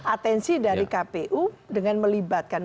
atensi dari kpu dengan melibatkan